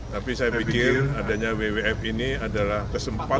tapi saya pikir adanya wwf ini adalah kesempatan